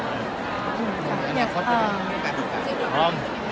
อย่างนี้ความสังเกตุภาพ